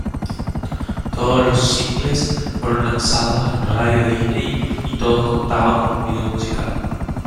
Todos los singles fueron lanzados en Radio Disney y todos contaban con video musical.